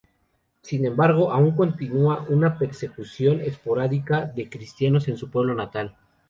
Sin embargo, aún continúa una persecución esporádica de cristianos en su pueblo natal.